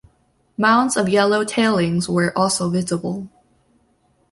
Mounds of yellow tailings were also visible.